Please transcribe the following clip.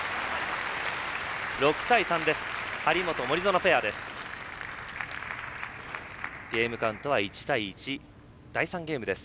６対３です、張本、森薗ペアです。